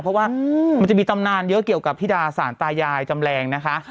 เพราะว่ามันจะมีตำนานเยอะเกี่ยวกับธิดาสารตายายจำแรงนะคะ